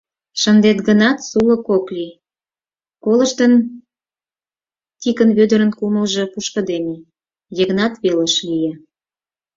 — Шындет гынат, сулык ок лий, — колыштын, Тикын Вӧдырын кумылжо пушкыдеме, Йыгнат велыш лие.